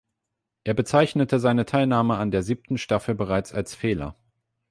Er bezeichnete seine Teilnahme an der siebten Staffel bereits als Fehler.